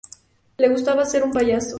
Le gustaba ser un payaso".